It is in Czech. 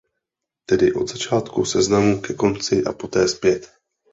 Tedy od začátku seznamu ke konci a poté zpět.